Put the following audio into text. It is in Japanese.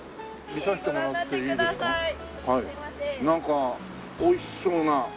なんかおいしそうな。